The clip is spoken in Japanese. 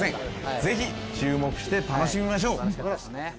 ぜひ注目して楽しみましょう。